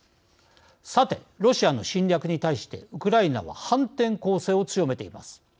さて、ロシアの侵略に対してウクライナは反転攻勢を強めています。